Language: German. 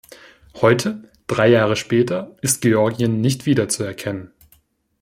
Heute, drei Jahre später, ist Georgien nicht wiederzuerkennen.